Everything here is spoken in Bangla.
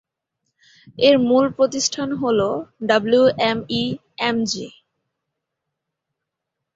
এর মূল প্রতিষ্ঠান হলো ডাব্লিউএমই-এমজি।